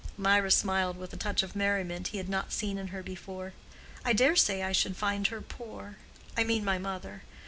Mirah smiled with a touch of merriment he had not seen in her before. "I dare say I should find her poor—I mean my mother.